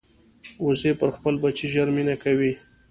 وزې پر خپل بچي ژر مینه کوي